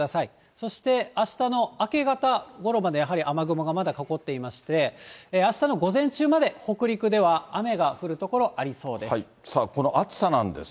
そして、あしたの明け方ごろまで、やはり雨雲がかかっていまして、あしたの午前中まで北陸では、雨が降る所、ありそうです。